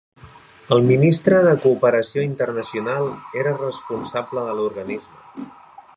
El Ministre de Cooperació Internacional era responsable de l'organisme.